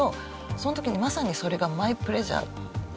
その時にまさにそれがマイプレジャーなんだなっていう。